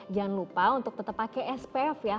jangan lupa untuk tetap pakai spf ya